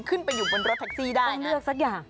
ขึ้นไปอยู่บนรถแท็กซี่ได้ต้องเลือกสักอย่าง